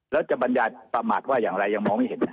แล้วจะบรรยายประมาทว่าอย่างไรยังมองไม่เห็น